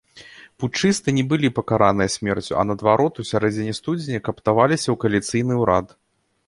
Путчысты не былі пакараныя смерцю, а, наадварот, у сярэдзіне студзеня кааптаваліся ў кааліцыйны ўрад.